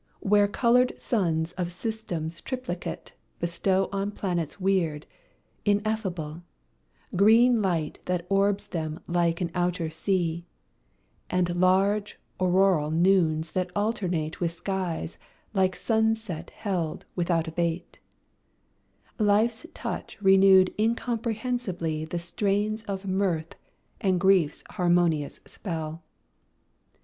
Where colored suns of systems triplicate Bestow on planets weird, ineffable, Green light that orbs them like an outer sea, And large auroral noons that alternate With skies like sunset held without abate, Life's touch renewed incomprehensibly The strains of mirth and grief's harmonious spell.